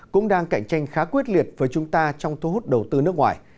cũng đang cạnh tranh khá quyết liệt với chúng ta trong thu hút đầu tư nước ngoài